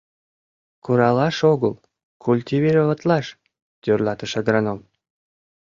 — Куралаш огыл, культивироватлаш, — тӧрлатыш агроном.